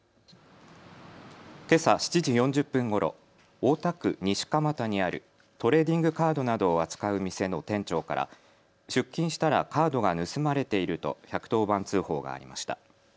けさ７時４０分ごろ、大田区西蒲田にあるトレーディングカードなどを扱う店の店長から出勤したらカードが盗まれていると１１０番通報がありました。